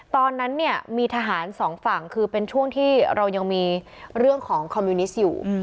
ตอนนั้นเนี่ยมีทหารสองฝั่งคือเป็นช่วงที่เรายังมีเรื่องของคอมมิวนิสต์อยู่